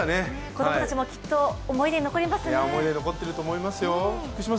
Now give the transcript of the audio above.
子供たちも思い出に残りますね。